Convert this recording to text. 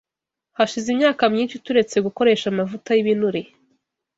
Hashize imyaka myinshi turetse gukoresha amavuta y’ibinure.